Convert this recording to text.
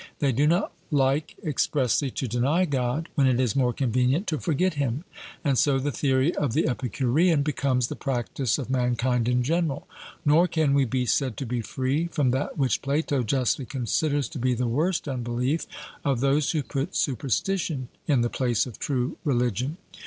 They do not like expressly to deny God when it is more convenient to forget Him; and so the theory of the Epicurean becomes the practice of mankind in general. Nor can we be said to be free from that which Plato justly considers to be the worst unbelief of those who put superstition in the place of true religion.